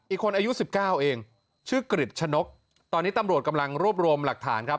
อีกคนอายุ๑๙เองชื่อกริจชะนกตอนนี้ตำรวจกำลังรวบรวมหลักฐานครับ